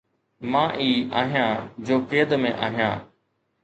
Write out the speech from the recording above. مان ئي آهيان جو قيد ۾ آهيان